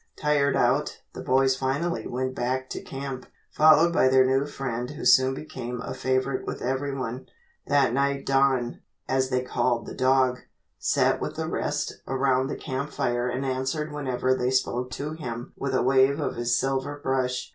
Tired out, the boys finally went back to camp, followed by their new friend who soon became a favorite with everyone. That night Don, as they called the dog, sat with the rest around the camp fire and answered whenever they spoke to him with a wave of his silver brush.